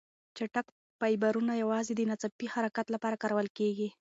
چټک فایبرونه یوازې د ناڅاپي حرکت لپاره کارول کېږي.